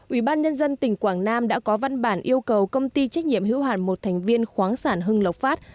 ubnd tỉnh quảng nam đã có văn bản yêu cầu công ty trách nhiệm hữu hạn một thành viên khoáng sản hưng lộc phát